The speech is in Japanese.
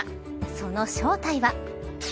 その正体は。